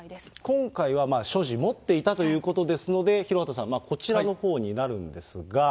今回は所持、持っていたということですので、廣畑さん、こちらのほうになるんですが。